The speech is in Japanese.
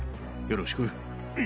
よろしく。